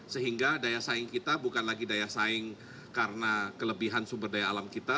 sehingga daya saing kita bukan lagi daya saing karena kelebihan sumber daya alam kita